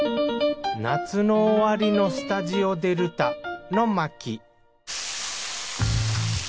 夏の終わりのスタジオデルタの巻